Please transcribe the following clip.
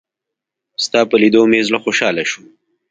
ستا په لېدو مې زړه خوشحاله شو.